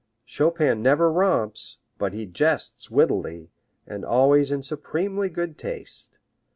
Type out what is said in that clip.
Chopin never romps, but he jests wittily, and always in supremely good taste.